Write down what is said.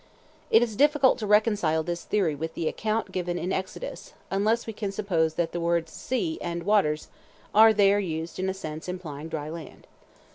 It is difficult to reconcile this theory with the account given in Exodus, unless we can suppose that the words "sea" and "waters" are there used in a sense implying dry land.